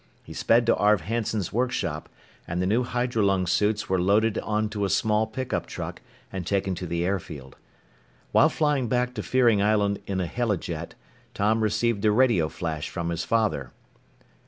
He sped to Arv Hanson's workshop, and the new hydrolung suits were loaded onto a small pickup truck and taken to the airfield. While flying back to Fearing Island in a helijet, Tom received a radio flash from his father.